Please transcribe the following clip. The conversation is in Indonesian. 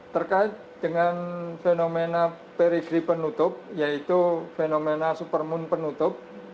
terkait dengan fenomena peristri penutup yaitu fenomena supermoon penutup